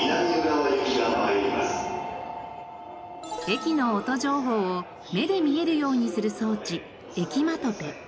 駅の音情報を目で見えるようにする装置エキマトペ。